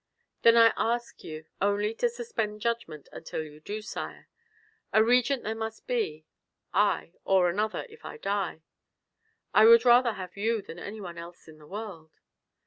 "Then I ask you only to suspend judgment until you do, sire. A regent there must be, I, or another if I die " "I would rather have you than any one else in the world."